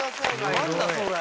何だそれ。